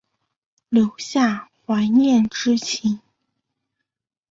留下怀念之情